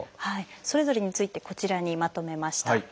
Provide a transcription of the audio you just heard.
それぞれについてこちらにまとめました。